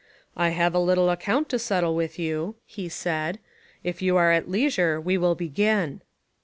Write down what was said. "I have a little account to settle with you," he said: "if you are at leisure we will begin."